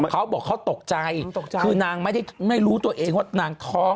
คือใช้คำว่า